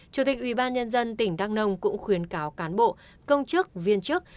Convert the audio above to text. chủ tịch ủy ban nhân dân tỉnh đắk nông cũng khuyến cáo cán bộ công chức viên chức